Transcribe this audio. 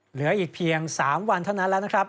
เหลืออีกเพียง๓วันเท่านั้นแล้วนะครับ